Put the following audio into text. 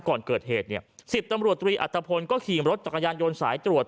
ก่อนเกิดเหตุเนี่ย๑๐ตำรวจตรีอัตภพลก็ขี่รถจักรยานยนต์สายตรวจ